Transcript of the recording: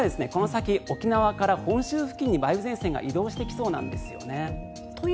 ただ、この先沖縄から本州付近に梅雨前線が移動してきそうなんです。